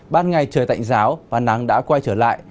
ban ngày trời tạnh giáo và nắng đã quay trở lại